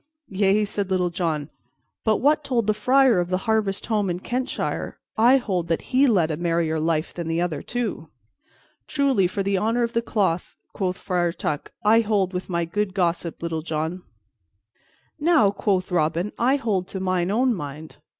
"Yea," said Little John, "but what told the friar of the harvest home in Kentshire? I hold that he led a merrier life than the other two." "Truly, for the honor of the cloth," quoth Friar Tuck, "I hold with my good gossip, Little John." "Now," quoth Robin, "I hold to mine own mind.